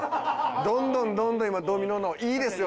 どんどんどんどん今ドミノ脳いいですよ